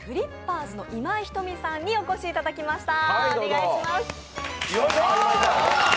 ’Ｓの今井仁美さんにお越しいただきました。